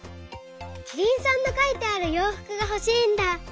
キリンさんのかいてあるようふくがほしいんだ！